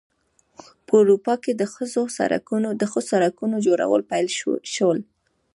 په اروپا کې د ښو سړکونو جوړول پیل شول.